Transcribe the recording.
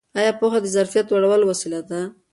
ایا پوهه د ظرفیت لوړولو وسیله ده؟